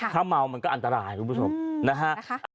ถ้าเมามันก็อันตรายคุณผู้ชมนะฮะ